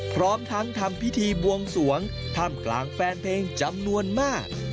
พร้อมทั้งทำพิธีบวงสวงท่ามกลางแฟนเพลงจำนวนมาก